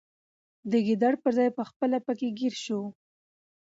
د ګیدړ پر ځای پخپله پکښي ګیر سو